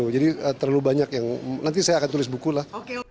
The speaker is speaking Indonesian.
jadi terlalu banyak yang nanti saya akan tulis buku lah